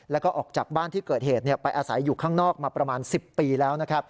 แล้วก็ออกจากบ้านที่เกิดเหตุไปอาศัยอยู่ข้างนอกมาประมาณ๑๐ปีแล้วนะครับ